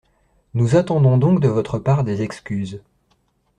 Nous attendons donc de votre part des excuses.